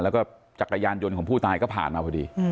แล้วก็จักรยานยนต์ของผู้ตายก็ผ่านมาพอดี